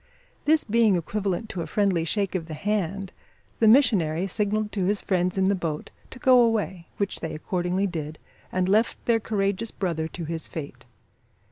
This being equivalent to a friendly shake of the hand, the missionary signalled to his friends in the boat to go away, which they accordingly did, and left their courageous brother to his fate.